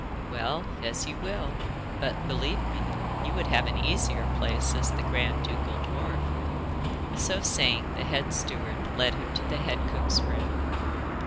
'Well, as you will; but believe me, you would have an easier place as the grand ducal dwarf.' So saying, the head steward led him to the head cook's room.